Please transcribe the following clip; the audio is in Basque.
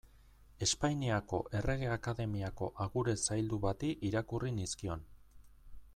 Espainiako Errege Akademiako agure zaildu bati irakurri nizkion.